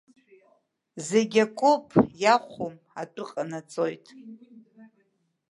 Зегь акоуп, иахәом, атәы ҟанаҵоит.